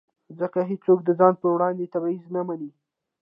ځکه هېڅوک د ځان پر وړاندې تبعیض نه مني.